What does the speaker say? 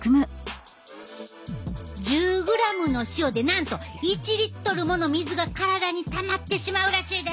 １０グラムの塩でなんと１リットルもの水が体にたまってしまうらしいで。